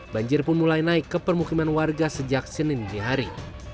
banjir pun mulai naik ke permukiman warga sejak senin dihari